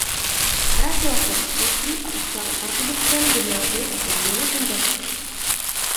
Vrátila se do školství a učila na pardubickém gymnáziu a později na konzervatoři.